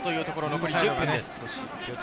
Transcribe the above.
残り１０分です。